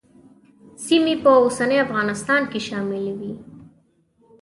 سیمې په اوسني افغانستان کې شاملې وې.